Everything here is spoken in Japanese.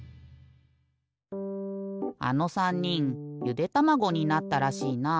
あの３にんゆでたまごになったらしいな。